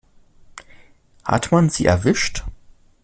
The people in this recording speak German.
Hat man sie erwischt?